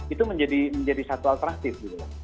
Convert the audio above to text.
itu menjadi satu alternatif